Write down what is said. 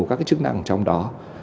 các chức năng trong đó